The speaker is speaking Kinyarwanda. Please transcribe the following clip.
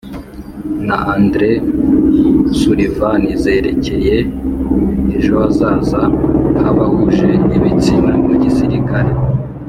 na andrew sullivan zerekeye ejo hazaza h’abahuje ibitsina mu gisirikare,